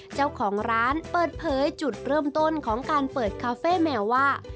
เจ้าของร้านเปิดเผยจุดเริ่มต้นของการเปิดคาเฟ่แมวว่า